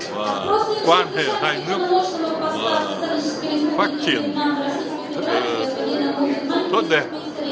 và quan hệ hai nước phát triển rất là tốt đẹp